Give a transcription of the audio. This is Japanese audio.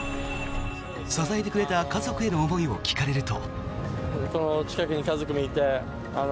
支えてくれた家族への思いを聞かれると。